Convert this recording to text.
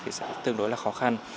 thì sẽ tương đối là khó khăn